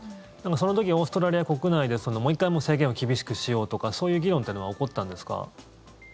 その時オーストラリア国内でもう１回制限を厳しくしようとかそういう議論というのは起こったんですか？